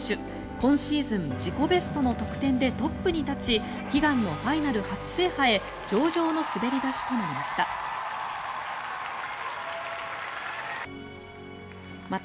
今シーズン自己ベストの得点でトップに立ち悲願のファイナル初制覇へ上々の滑り出しとなりました。